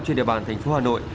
trên địa bàn thành phố hà nội